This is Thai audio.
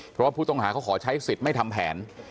เพราะว่าผู้ต้องหาเขาขอใช้สิทธิ์ไม่ทำแผน